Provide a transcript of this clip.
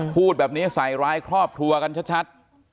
พูดแบบนี้ใส่ร้ายครอบครัวกันชัด